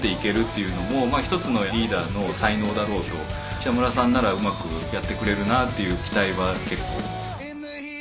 北村さんならうまくやってくれるなっていう期待は結構。